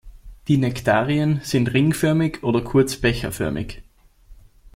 Die Nektarien sind ringförmig oder kurz becherförmig.